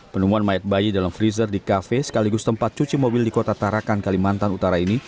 penemuan mayat bayi dalam freezer di kafe sekaligus tempat cuci mobil di kota tarakan kalimantan utara ini